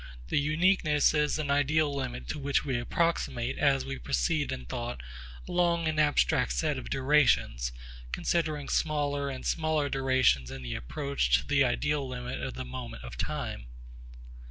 The uniqueness is an ideal limit to which we approximate as we proceed in thought along an abstractive set of durations, considering smaller and smaller durations in the approach to the ideal limit of the moment of time.